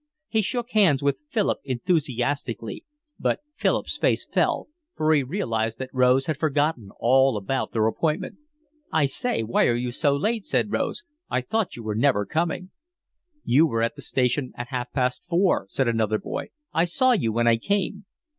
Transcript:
He shook hands with Philip enthusiastically, but Philip's face fell, for he realised that Rose had forgotten all about their appointment. "I say, why are you so late?" said Rose. "I thought you were never coming." "You were at the station at half past four," said another boy. "I saw you when I came."